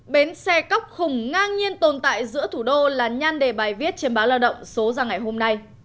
bến xe cóc khủng ngang nhiên tồn tại giữa thủ đô là nhan đề bài viết trên báo lao động số ra ngày hôm nay